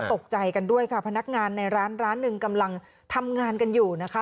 ตกใจกันด้วยค่ะพนักงานในร้านร้านหนึ่งกำลังทำงานกันอยู่นะคะ